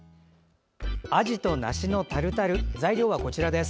あじと梨のタルタル材料はこちらです。